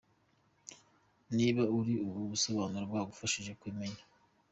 Niba uriwe ubu busobanuro bugufashije kwimenya.